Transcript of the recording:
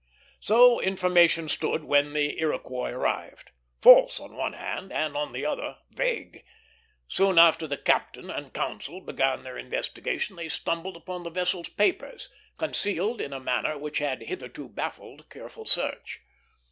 So information stood when the Iroquois arrived false on one hand, and on the other vague. Soon after the captain and consul began their investigation they stumbled upon the vessel's papers, concealed in a manner which had hitherto baffled careful search.